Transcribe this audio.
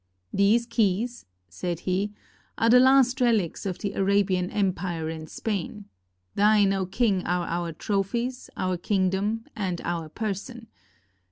"These keys," said he, "are the last relics of the Arabian empire in Spain : thine, O king, are our trophies, our kingdom, and our person.